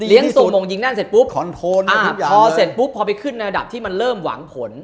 เลี้ยงสูงมงยิงนั่นเสร็จปุ๊บพอไปขึ้นระดับที่มันเริ่มหวังผล